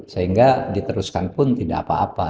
sehingga diteruskan pun tidak apa apa